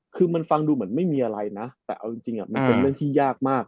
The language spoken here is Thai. คือมันฟังดูเหมือนไม่มีอะไรนะแต่เอาจริงมันเป็นเรื่องที่ยากมาก